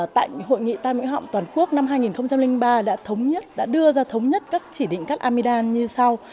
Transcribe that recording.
tại hội nghị tây mỹ họng toàn quốc năm hai nghìn ba đã đưa ra thống nhất các chỉ định cắt amidam như sau